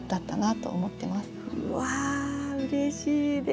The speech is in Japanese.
うわうれしいです！